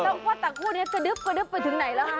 น้องพวกต่างคู่เนี่ยกระดึ๊บไปถึงไหนแล้วฮะ